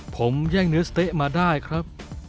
ผมแย่งเนื้อสเต๊ะมาได้ครับ